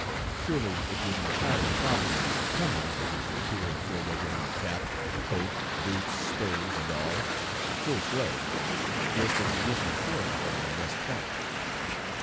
Surely it was entirely proper and becoming that he should appear in full regimental cap, coat, boots, spurs, and all, full fledged, just as he issued forth from West Point.